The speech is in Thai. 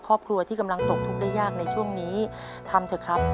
ครอบครัวที่กำลังตกทุกข์ได้ยากในช่วงนี้ทำเถอะครับ